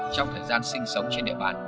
trong thời gian sinh sống trên địa bàn